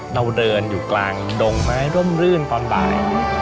เราเดินอยู่กลางดงไม้ร่มรื่นตอนบ่าย